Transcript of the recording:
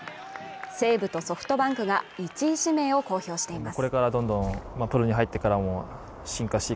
西武とソフトバンクが１位指名を公表しています